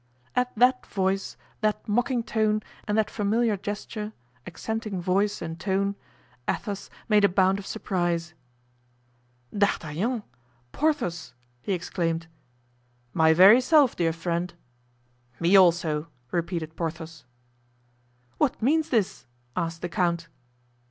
At that voice, that mocking tone, and that familiar gesture, accenting voice and tone, Athos made a bound of surprise. "D'Artagnan! Porthos!" he exclaimed. "My very self, dear friend." "Me, also!" repeated Porthos. "What means this?" asked the count.